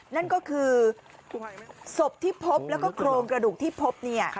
นั่นก็คือศพที่พบแล้วก็โครงกระดูกที่พบเนี่ย